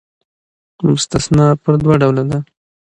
مستثنی پر دوه ډوله ده.